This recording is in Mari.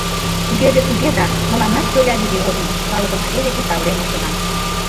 Тугеже туге, да мыланнат чоя лийде ок лий: калыкым шке веке савырен моштыман...